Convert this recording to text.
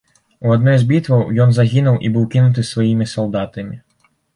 У адной з бітваў ён загінуў і быў кінуты сваімі салдатамі.